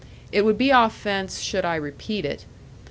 It would be offense should I repeat it.